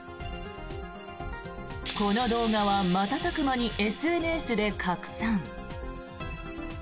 この動画は瞬く間にＳＮＳで拡散。